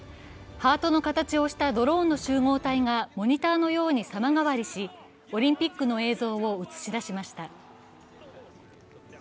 ハートの形をしたドローンの集合体がモニターのように様変わりしオリンピックの映像を映し出しました。